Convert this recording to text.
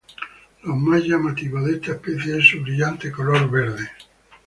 Lo más llamativo de esta especie es su brillante color verde.